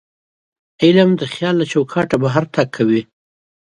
علم د خیال له چوکاټه بهر تګ کوي.